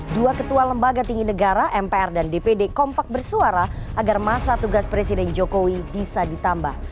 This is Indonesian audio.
dua ketua lembaga tinggi negara mpr dan dpd kompak bersuara agar masa tugas presiden jokowi bisa ditambah